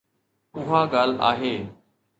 اها ڳالهه آهي.